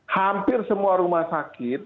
hampir semua rumah sakit